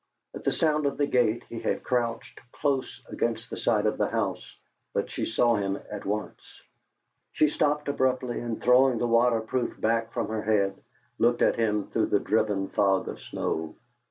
At the sound of the gate he had crouched close against the side of the house, but she saw him at once. She stopped abruptly, and throwing the water proof back from her head, looked at him through the driven fog of snow.